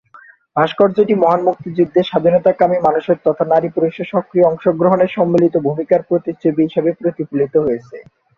ভাস্কর্যটি মহান মুক্তিযুদ্ধে স্বাধীনতাকামী মানুষের তথা নারী-পুরুষের সক্রিয় অংশগ্রহণের সম্মিলিত ভূমিকার প্রতিচ্ছবি হিসেবে প্রতিফলিত হয়েছে।